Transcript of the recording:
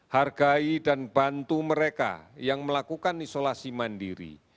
hargai dan bantu mereka yang melakukan isolasi mandiri